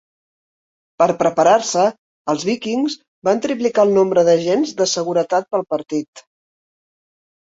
Per preparar-se, els Vikings van triplicar el nombre d'agents de seguretat per al partit.